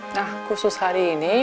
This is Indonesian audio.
nah khusus hari ini